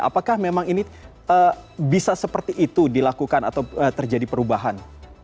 apakah memang ini bisa seperti itu dilakukan atau terjadi perubahan